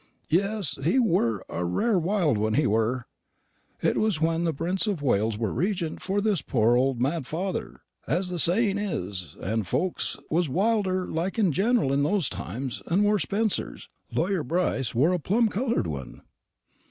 "Yes. He were a rare wild one, he were! It was when the Prince of Wales were Regent for his poor old mad father, as the saying is, and folks was wilder like in general in those times, and wore spencers lawyer Brice wore a plum coloured one."